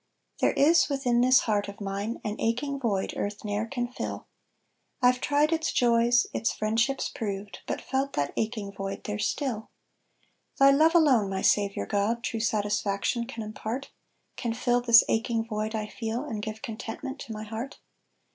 There is within this heart of mine, An aching void earth ne'er can fill; I've tried its joys, its friendships proved, But felt that aching void there still. Thy love alone, my Saviour God, True satisfaction can impart; Can fill this aching void I feel, And give contentment to my heart.